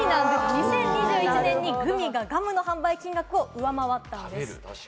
２０２１年にグミがガムの販売金額を上回ったんです。